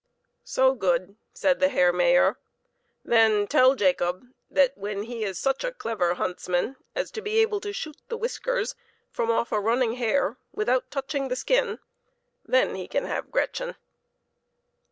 " So good," said the Herr Mayor. " Then tell Jacob that when he is such a clever huntsman as to be able to shoot the whiskers off from a running hare without touching the skin, then he can have Gretchen."